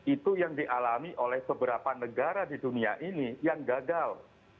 itu yang dialami oleh beberapa negara di dunia ini yang gagal